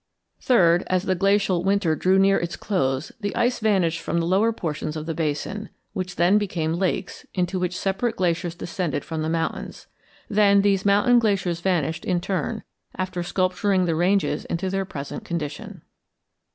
Third, as the glacial winter drew near its close the ice vanished from the lower portions of the basin, which then became lakes, into which separate glaciers descended from the mountains. Then these mountain glaciers vanished in turn, after sculpturing the ranges into their present condition.